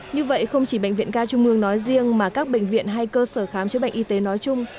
như vậy không chỉ bệnh viện ca trung mương nói riêng mà các bệnh viện hay cơ sở khám chữa bệnh y tế nói chung